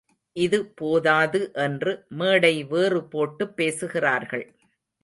இது போதாது என்று மேடை வேறு போட்டுப் பேசுகிறார்கள்.